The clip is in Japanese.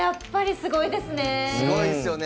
すごいですよね。